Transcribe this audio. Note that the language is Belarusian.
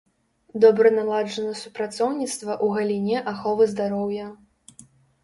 Добра наладжана супрацоўніцтва ў галіне аховы здароўя.